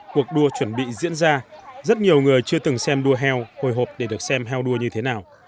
cuộc đua chuẩn bị diễn ra rất nhiều người chưa từng xem đua heo hồi hộp để được xem heo đua như thế nào